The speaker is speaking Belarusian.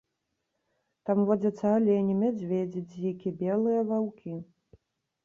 Там водзяцца алені, мядзведзі, дзікі, белыя ваўкі.